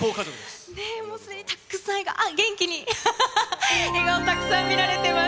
たくさん、元気に、笑顔、たくさん見られてます。